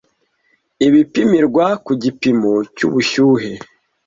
Ibipimirwa ku gipimo cy'ubushyuhe